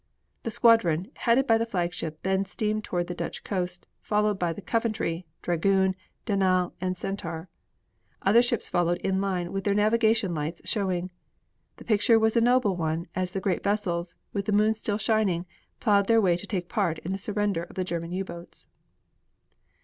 The squadron, headed by the flagship, then steamed toward the Dutch coast, followed by the Coventry, Dragoon, Danal and Centaur. Other ships followed in line with their navigation lights showing. The picture was a noble one as the great vessels, with the moon still shining, plowed their way to take part in the surrender of the German U boats.